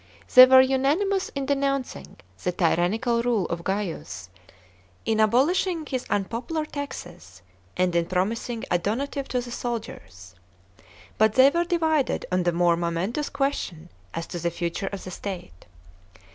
They were unanimous in denouncii g the tyrannical rule of Gaius, in abolishing his un popular taxes, and in promising a donative to the soldiers. But they were divided on the more momentous question as to the future of the state.